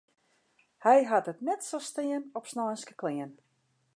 Hy hat it net sa stean op sneinske klean.